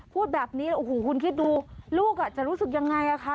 พูดแบบนี้คุณคิดดูลูกจะรู้สึกอย่างไรคะ